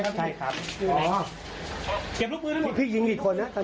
อัศวินภาษาวิทยาลัยอัศวินภาษาวิทยาลัย